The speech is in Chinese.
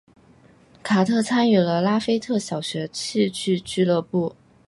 卡特参与了拉斐特小学的戏剧俱乐部。